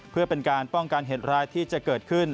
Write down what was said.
เพื่อเป็นการป้องกันเหตุร้ายที่จะเกิดขึ้น